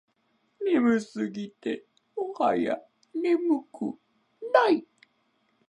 眠すぎてもはや眠くない